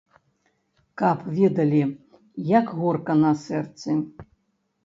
Каб ведалі, як горка на сэрцы.